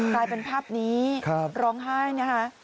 กลายเป็นภาพนี้ร้องไห้นะคะ